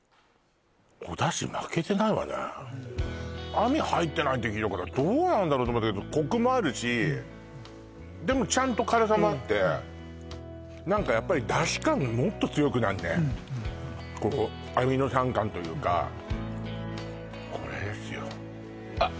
アミ入ってないって聞いたからどうなんだろうと思ったけどコクもあるしでもちゃんと辛さもあって何かやっぱりアミノ酸感というかこれですよあっ